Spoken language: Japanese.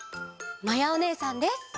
まやおねえさんです。